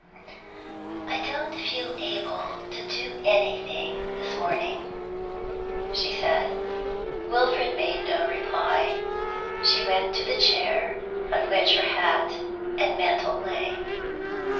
'I don't feel able to do anything this morning,' she said. Wilfrid made no reply. She went to the chair on which her hat and mantle lay.